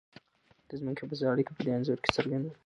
د ځمکې او فضا اړیکه په دې انځور کې څرګنده ده.